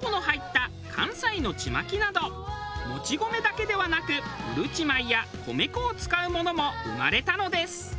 この入った関西のちまきなどもち米だけではなくうるち米や米粉を使うものも生まれたのです。